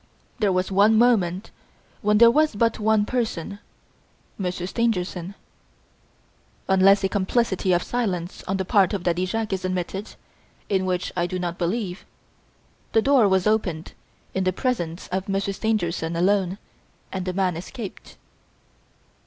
There was one moment when there was but one person, Monsieur Stangerson. Unless a complicity of silence on the part of Daddy Jacques is admitted in which I do not believe the door was opened in the presence of Monsieur Stangerson alone and the man escaped.